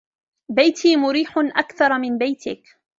بيتي مريح أكثر من بيتك.